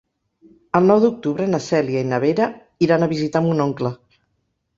El nou d'octubre na Cèlia i na Vera iran a visitar mon oncle.